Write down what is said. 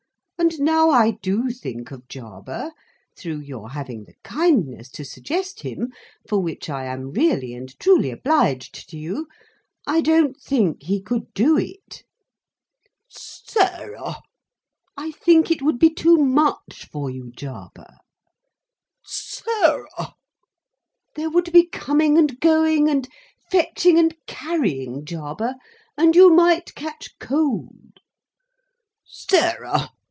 And now I do think of Jarber, through your having the kindness to suggest him—for which I am really and truly obliged to you—I don't think he could do it." "Sarah!" "I think it would be too much for you, Jarber." "Sarah!" "There would be coming and going, and fetching and carrying, Jarber, and you might catch cold." "Sarah!